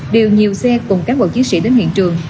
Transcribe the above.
điều nhiều xe cùng cán bộ chiến sĩ đến hiện trường